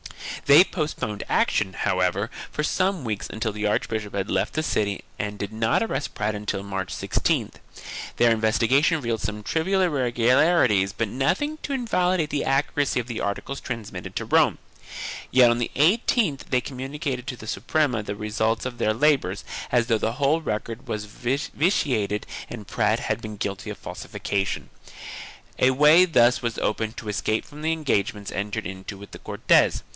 They postponed action, how ever, for some weeks until the archbishop had left the city and did not arrest Prat until March 16th. Their investigation revealed some trivial irregularities but nothing to invalidate the accuracy of the articles transmitted to Rome, yet on the 18th they com municated to the Suprema the results of their labors as though the whole record was vitiated and Prat had been guilty of falsi fication. A way thus was opened to escape from the engagements entered into with the Cortes.